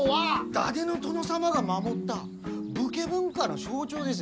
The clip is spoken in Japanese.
伊達の殿様が守った武家文化の象徴です！